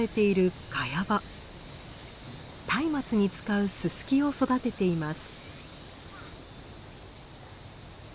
松明に使うススキを育てています。